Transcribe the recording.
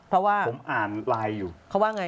เพราะว่าเขาว่าผมอ่านไลน์อยู่